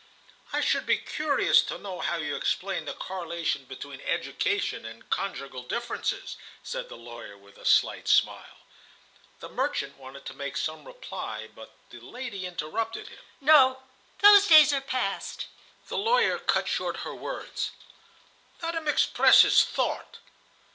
"I should be curious to know how you explain the correlation between education and conjugal differences," said the lawyer, with a slight smile. The merchant wanted to make some reply, but the lady interrupted him. "No, those days are past." The lawyer cut short her words:— "Let him express his thought."